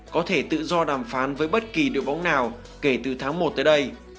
có thể tự do đàm phán với bất kỳ đội bóng nào kể từ tháng một tới đây